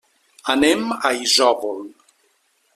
Anem a Isòvol.